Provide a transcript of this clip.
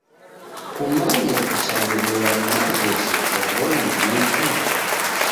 Kumanye kuchandirilwa ni maghesho chongonyi niki.